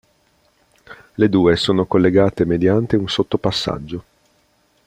Le due sono collegate mediante un sottopassaggio.